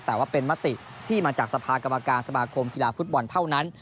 แต่ว่าเป็นมติที่มาจากสภากรรมการสมาคมกีฬาฟุตบอลเท่านั้น